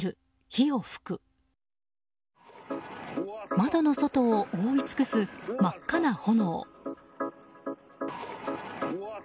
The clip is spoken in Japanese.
窓の外を覆い尽くす真っ赤な炎。